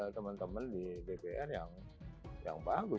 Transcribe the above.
teman teman di dpr yang bagus